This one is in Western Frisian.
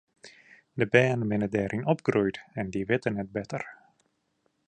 De bern binne dêryn opgroeid en dy witte net better.